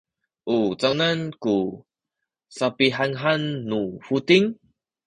u canan ku sapihanhan nu buting?